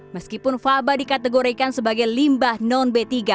meskipun faba dikategorikan sebagai limbah non b tiga